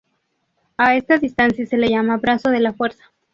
A esta distancia se le llama brazo de la fuerza.